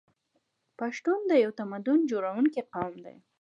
پښتون یو تمدن جوړونکی قوم دی.